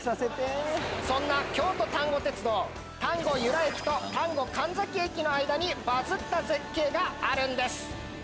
そんな京都丹後鉄道丹後由良駅と丹後神崎駅の間にバズった絶景があるんです。